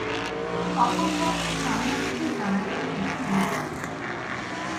অপর পক্ষে সহানুভূতি জানাইবার একটি লোকও নাই।